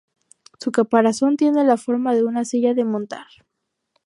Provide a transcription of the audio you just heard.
Su caparazón tiene la forma de una silla de montar.